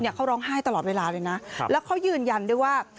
เขาร้องไห้ตลอดเวลาเลยนะแล้วเขายืนยันด้วยว่า